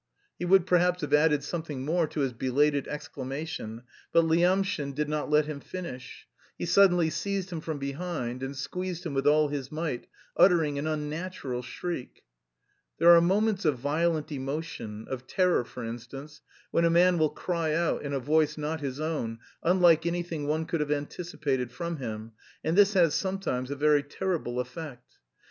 He would perhaps have added something more to his belated exclamation, but Lyamshin did not let him finish: he suddenly seized him from behind and squeezed him with all his might, uttering an unnatural shriek. There are moments of violent emotion, of terror, for instance, when a man will cry out in a voice not his own, unlike anything one could have anticipated from him, and this has sometimes a very terrible effect.